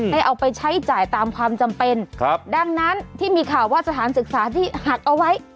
เอาไปใช้จ่ายตามความจำเป็นครับดังนั้นที่มีข่าวว่าสถานศึกษาที่หักเอาไว้